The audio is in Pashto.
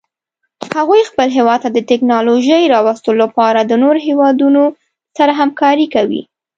هغوی خپل هیواد ته د تکنالوژۍ راوستلو لپاره د نورو هیوادونو سره همکاري کوي